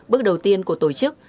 bước đầu tiên của tổ chức